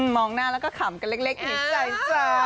มองหน้าแล้วก็ขำกันเล็กอยู่ในใจจ้า